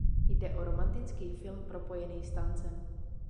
Jde o romantický film propojený s tancem.